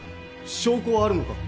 証拠はあるのか？